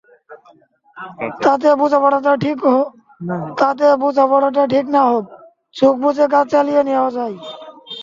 তাতে বোঝাপড়াটা ঠিক না হোক, চোখ বুজে কাজ চালিয়ে নেওয়া যায়।